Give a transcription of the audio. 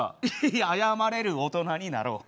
いや謝れる大人になろう。